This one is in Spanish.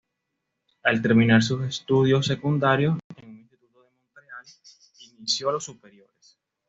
Al terminar sus estudios secundarios en un instituto de Montreal, inició los superiores.